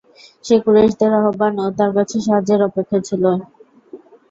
সে কুরাইশদের আহ্বান ও তার কাছে সাহায্যের অপেক্ষায় ছিল।